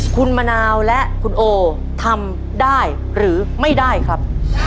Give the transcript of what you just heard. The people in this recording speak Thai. คุณมะนาวและคุณโอทำได้หรือไม่ได้ครับ